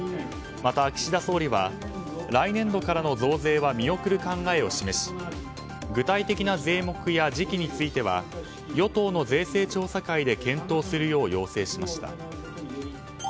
また、岸田総理は来年度からの増税は見送る考えを示し具体的な税目や時期は与党の税制調査会で検討するよう要請しました。